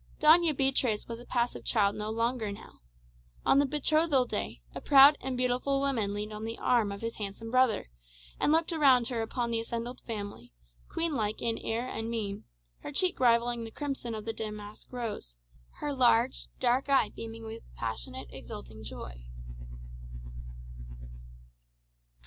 Doña Beatriz was a passive child no longer now. On the betrothal day, a proud and beautiful woman leaned on the arm of his handsome brother, and looked around her upon the assembled family, queen like in air and mien, her cheek rivalling the crimson of the damask rose, her large dark eye beaming with passionate, exulting joy.